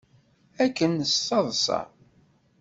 Akken d taḍsa!